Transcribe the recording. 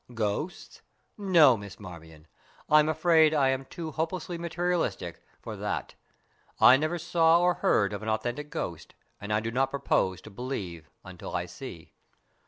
"Ghosts? No, Miss Marmion. I'm afraid I am too hopelessly materialistic for that. I never saw or heard of an authentic ghost, and I do not propose to believe until I see."